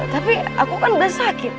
tapi aku kan udah sakit